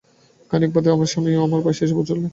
খানিক বাদে দেখি আমার স্বামীও আমার পাশে এসে জুটলেন।